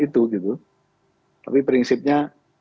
itu gitu tapi prinsipnya